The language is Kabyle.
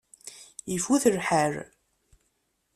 Ifut lḥal.